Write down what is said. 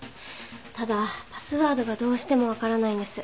ただパスワードがどうしてもわからないんです。